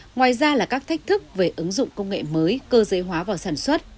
ngoài ra là các thách thức về ứng dụng công nghệ mới cơ giới hóa vào sản xuất